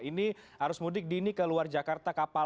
ini arus mudik dini ke luar jakarta kapal